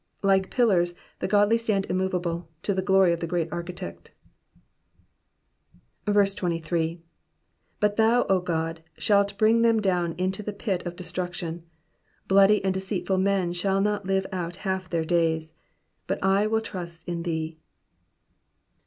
Like pillars, the godly stand inmiovable, to the glory of the Great Architect. Digitized by VjOOQIC PSALM THE FIFTY FIFTH. 23 23 But thou, O God, shalt bring them down into the pit of destruction ; bloody and deceitful men shall not live out half their days : but I will trust in thee.